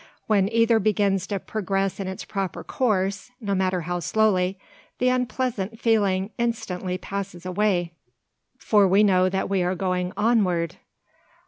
When either begins to progress in its proper course, no matter how slowly, the unpleasant feeling instantly passes away; for we know that we are going "onward!"